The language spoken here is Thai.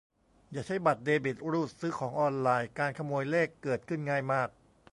อย่าใช้บัตรเดบิตรูดซื้อของออนไลน์ การขโมยเลขเกิดขึ้นง่ายมาก